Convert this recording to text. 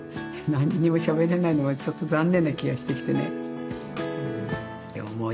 何もしゃべれないのはちょっと残念な気がしてきてね。